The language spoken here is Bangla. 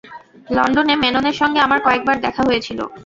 লণ্ডনে মেননের সঙ্গে আমার কয়েকবার দেখা হয়েছিল।